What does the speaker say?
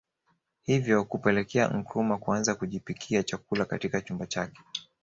Hivyo kupelekea Nkrumah kuanza kujipikia chakula katika chumba chake